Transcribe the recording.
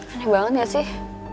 aneh banget ya sih